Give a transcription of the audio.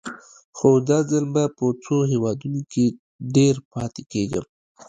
خو دا ځل به په څو هېوادونو کې ډېر پاتې کېږم.